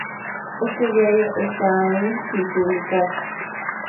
Este diario está aún sin publicar.